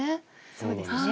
そうですね。